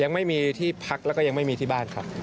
ยังไม่มีที่พักแล้วก็ยังไม่มีที่บ้านครับ